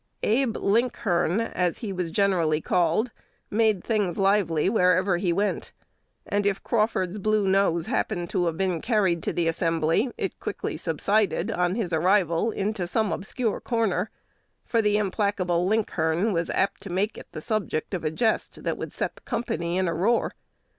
"Abe Linkhern," as he was generally called, made things lively wherever he went: and, if Crawford's blue nose happened to have been carried to the assembly, it quickly subsided, on his arrival, into some obscure corner; for the implacable "Linkhern" was apt to make it the subject of a jest that would set the company in a roar.